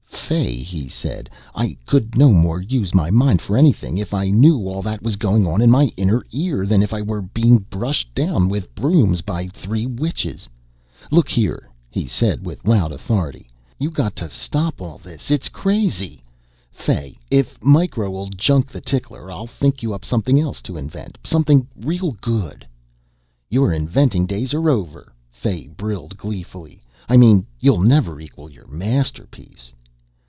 "Fay," he said, "I could no more use my mind for anything if I knew all that was going on in my inner ear than if I were being brushed down with brooms by three witches. Look here," he said with loud authority, "you got to stop all this it's crazy. Fay, if Micro'll junk the tickler, I'll think you up something else to invent something real good." "Your inventing days are over," Fay brilled gleefully. "I mean, you'll never equal your masterpiece."